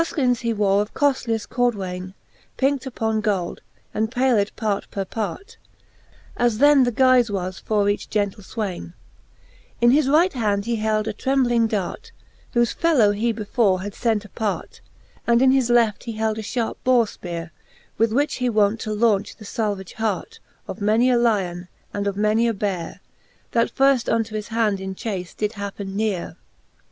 Bulkins he wore of coftlieft cordvvayne, Pinckt upon gold, and paled part per part, As then the guize was for each gentle fwayne: In his right qand he held a trembling dart, Whole fellow he before had fent apart; And in his left he held a fharps borefpeare, With which he wont to launch the falvage hart Of many a Lyon, and of many a Beare, That firft unto his hand in chafe did happen neare.